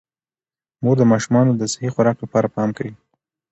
مور د ماشومانو د صحي خوراک لپاره پام کوي